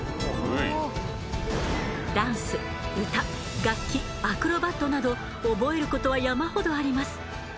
ダンス・歌・楽器・アクロバットなど覚える事は山ほどあります。